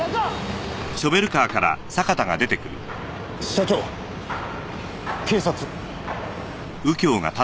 社長警察。